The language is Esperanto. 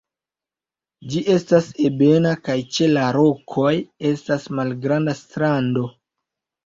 Ĝi estas ebena kaj ĉe la rokoj estas malgranda strando.